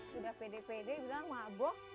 sudah pede pede bilang maboh